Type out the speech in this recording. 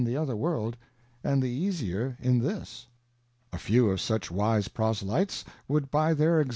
the other j__^ World, and the easier in this. A few q f juch wise Proselytes would by their fe»!